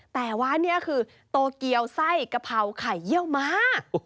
แต่ว่านี่คือโตเกียวไส้กะเพราไข่เยี่ยวม้า